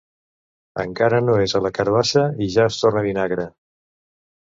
Encara no és a la carabassa i ja es torna vinagre.